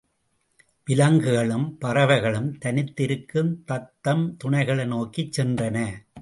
விலங்குகளும் பறவைகளும் தனித்திருக்கும் தத்தம் துணைகளை நோக்கிச் சென்றன.